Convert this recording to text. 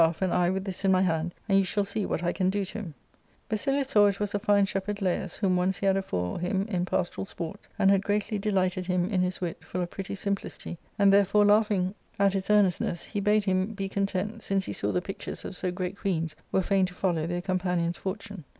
—Book L grreat stafT and I with this in my hand, and you shall see what I can do to hinL" Basilius saw it was the fine shepherd Lalus, whom once ^/^he had afore him in pastoral sports, and had greatly delighted him in his wit, full of pretty simplicity ; and there fore, laughing at his earnestness, he bade him be content^ since he saw the pictures of so great queens were fain to follow their companion's fortune.